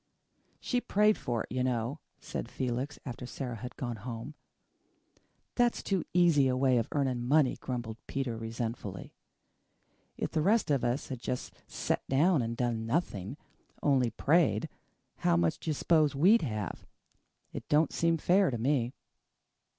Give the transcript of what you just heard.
"She prayed for it, you know," said Felix, after Sara had gone home. "That's too easy a way of earning money," grumbled Peter resentfully. "If the rest of us had just set down and done nothing, only prayed, how much do you s'pose we'd have? It don't seem fair to me."